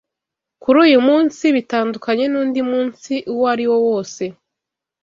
Kuri uyu munsi, bitandukanye n’undi munsi uwo ari wo wose